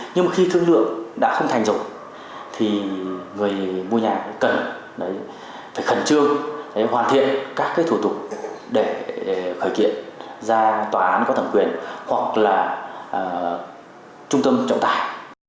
nhưng mà khi thương lượng đã không thành rồi thì người mua nhà cần phải khẩn trương hoàn thiện các cái thủ tục để khởi kiện ra tòa án có thẩm quyền hoặc là trung tâm trọng tài